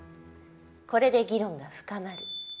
これで議論が深まる。